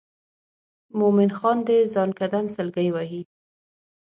مومن خان د زکندن سګلې وهي.